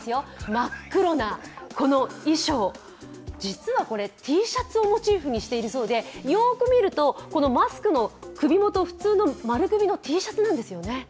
真っ黒なこの衣装実はこれ、Ｔシャツをモチーフにしているそうでよく見ると、マスクの首元、普通の丸首のＴシャツなんですよね。